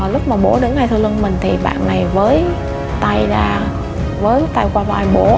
lúc mà bố đứng ngay theo lưng mình thì bạn này với tay ra với tay qua vai bố